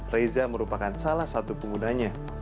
reza merupakan salah satu penggunanya